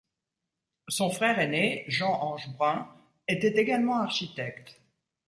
Son frère aîné, Jean-Ange Brun, était également architecte.